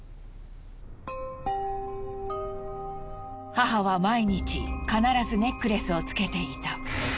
母は毎日必ずネックレスをつけていた。